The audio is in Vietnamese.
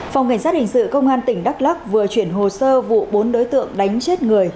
phòng cảnh sát hình sự công an tỉnh đắk lắc vừa chuyển hồ sơ vụ bốn đối tượng đánh chết người